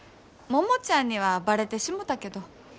桃ちゃんにはバレてしもたけど。